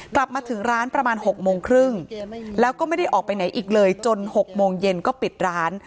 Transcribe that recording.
กลับมาถึงร้านประมาณ๖โมงครึ่งแล้วก็ไม่ได้ออกไปไหนอีกเลยจน๖โมงเย็นก็ปิดร้าน